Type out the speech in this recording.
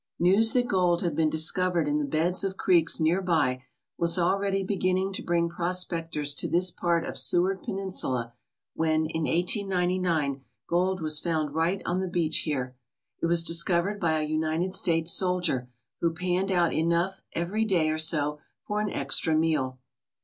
News that gold had been discovered in the beds of creeks near by was already beginning to bring prospectors to this part of Seward Peninsula when, in 1899, gold was found right on the beach here. It was discovered by a United States soldier, who panned out enough every day or so for an extra meal.